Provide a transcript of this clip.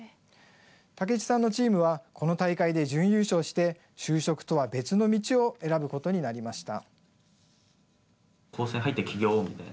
武智さんのチームはこの大会で準優勝して就職とは別の道を選ぶことになりました。